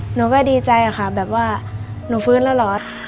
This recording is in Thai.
หนูก็ดีใจค่ะแบบว่าหนูฟื้นแล้วเหรอ